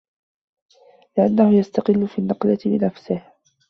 لِأَنَّهُ يَسْتَقِلُّ فِي النَّقْلَةِ بِنَفْسِهِ